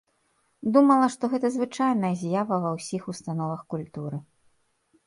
Думала, што гэта звычайная з'ява ва ўсіх установах культуры.